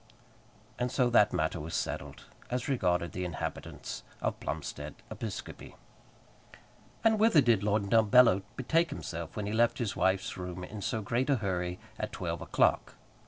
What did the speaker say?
And so that matter was settled, as regarded the inhabitants of Plumstead Episcopi. And whither did Lord Dumbello betake himself when he left his wife's room in so great a hurry at twelve o'clock?